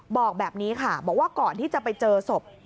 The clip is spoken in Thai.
บอกแบบนี้ค่ะบอกว่าก่อนที่จะไปเจอศพ